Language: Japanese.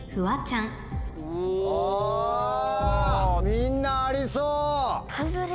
みんなありそう。